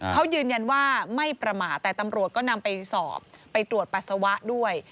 เขายืนยันว่าไม่ประมาทแต่ตำรวจก็นำไปสอบไปตรวจปัสสาวะด้วย